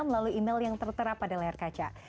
melalui email yang tertera pada layar kaca